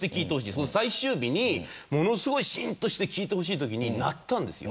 その最終日にものすごいシーンとして聞いてほしい時に鳴ったんですよ。